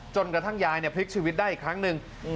จนกระทั่งยายพลิกชีวิตได้อีกครั้งหนึ่ง